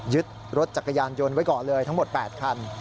ยึดรถจักรยานยนต์ไว้ก่อนเลยทั้งหมด๘คัน